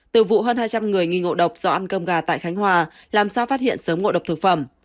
từ vụ hơn hai trăm linh người nghi ngộ độc do ăn cơm gà tại khánh hòa làm sao phát hiện sớm ngộ độc thực phẩm